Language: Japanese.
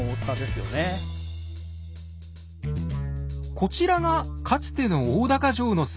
こちらがかつての大高城の姿。